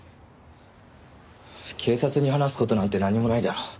警察に話す事なんて何もないだろ。